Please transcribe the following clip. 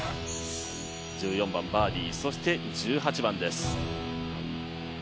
１４番バーディーそして１８番です。